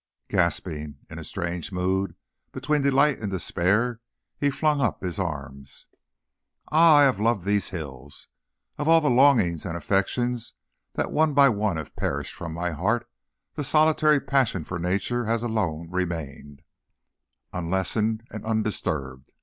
Gasping in a strange mood between delight and despair, he flung up his arms. "Ah! I have loved these hills. Of all the longings and affections that one by one have perished from my heart, the solitary passion for nature has alone remained, unlessened and undisturbed.